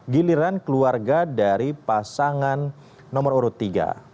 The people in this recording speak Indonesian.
giliran keluarga dari pasangan nomor urut tiga